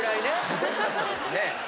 すごかったですね。